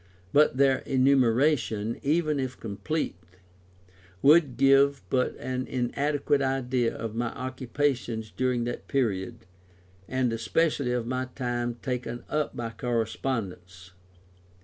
But their enumeration, even if complete, would give but an inadequate idea of my occupations during that period, and especially of the time taken up by correspondence.